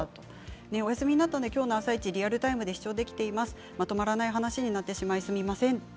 お休みになったのでリアルタイムで視聴できていますがまとまらない話になってしまいすいません。